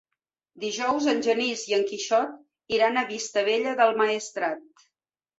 Dijous en Genís i en Quixot iran a Vistabella del Maestrat.